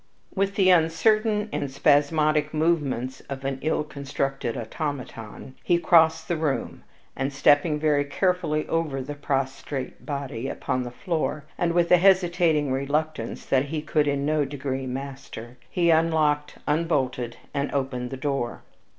With the uncertain and spasmodic movements of an ill constructed automaton, he crossed the room, and stepping very carefully over the prostrate body upon the floor, and with a hesitating reluctance that he could in no degree master, he unlocked, unbolted, and opened the door.